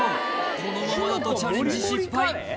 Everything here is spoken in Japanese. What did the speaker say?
このままだとチャレンジ失敗